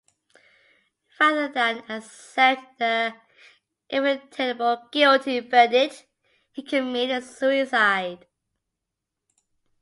Rather than accept the inevitable guilty verdict, he committed suicide.